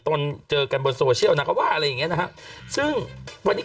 นเจอกันบนโซเชียลนะเขาว่าอะไรอย่างเงี้นะฮะซึ่งวันนี้